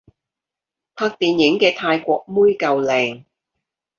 拍電影嘅泰國妹夠靚